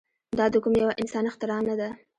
دا د کوم يوه انسان اختراع نه ده.